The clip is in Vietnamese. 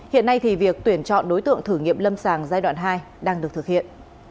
hiện nay thì việc tuyển chọn đối tượng thử nghiệm lâm sàng giai đoạn hai đang được thực hiện